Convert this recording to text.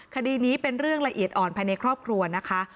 คดีนี้เป็นเรื่องละเอียดอ่อนภายในครอบครัวนะคะ